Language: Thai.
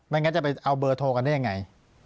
งั้นจะไปเอาเบอร์โทรกันได้ยังไง